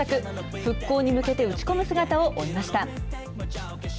復興に向けて打ち込む姿を追いました。